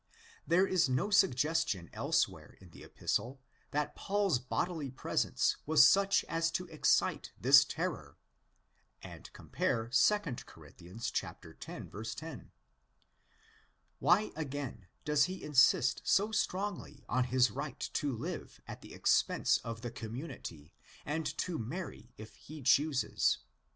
There is no suggestion elsewhere in the Epistle that Paul's bodily presence was such as to excite this terror; and compare 2 Cor. x. 10. Why, again, does he insist so strongly on his right to live at the expense of the community and to marry if he chooses?